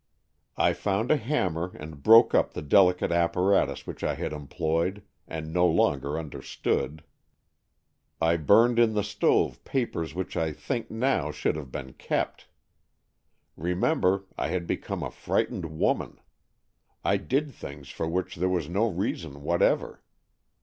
I found a hammer and broke up the delicate apparatus which I had employed, and no longer under stood. I burned in the stove papers which I think now should have been kept. Remem ber, I had become a frightened woman. I did things for which there was no reason whatever.